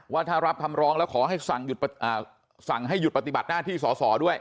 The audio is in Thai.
ว่าถ้ารับคำร้องแล้วขอให้สั่งให้หยุดปฏิบัติหน้าที่สอสอด้วย